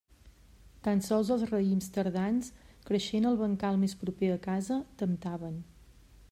Tan sols els raïms tardans, creixent al bancal més proper a casa, temptaven.